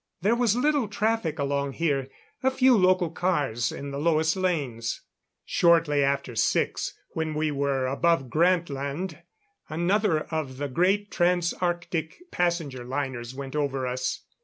There was little traffic along here; a few local cars in the lowest lanes. Shortly after six, when we were above Grantland, another of the great trans Arctic passenger liners went over us.